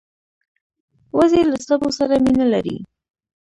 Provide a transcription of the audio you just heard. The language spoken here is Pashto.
وزې له سبو سره مینه لري